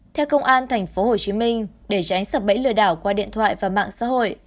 theo công an tp hcm để tránh sập bẫy lừa đảo qua điện thoại và mạng xã hội